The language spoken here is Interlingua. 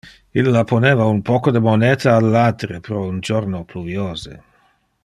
Illa poneva un poco de moneta al latere pro un jorno pluviose.